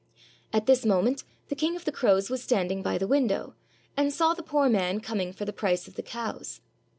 At this moment the King of the Crows was standing by the window, and saw the poor man coming for the price of the cows.